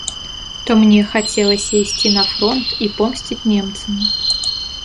То мне хацелася ісці на фронт і помсціць немцам.